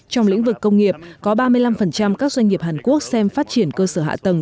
trong lĩnh vực công nghiệp có ba mươi năm các doanh nghiệp hàn quốc xem phát triển cơ sở hạ tầng